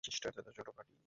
ছোটি, ছোটি।